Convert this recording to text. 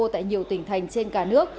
tại nhiều tỉnh thành trên cả nước